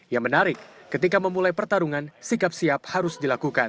yang menarik ketika memulai pertarungan sikap siap harus dilakukan